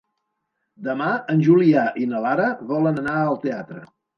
Demà en Julià i na Lara volen anar al teatre.